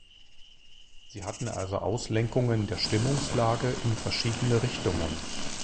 Sie hatten also Auslenkungen der Stimmungslage in verschiedene Richtungen.